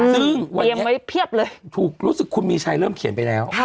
ซึ่งวันนี้รู้สึกคุณมีชัยเริ่มเขียนไปแล้ว